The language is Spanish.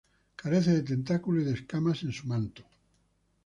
Carece de tentáculos y de escamas en su manto.